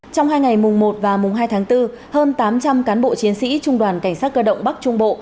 trong hai ngày mùng một và mùng hai tháng bốn hơn tám trăm linh cán bộ chiến sĩ trung đoàn cảnh sát cơ động bắc trung bộ